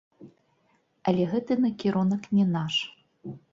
Але гэты накірунак не наш.